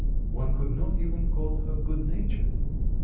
One could not even call her good natured.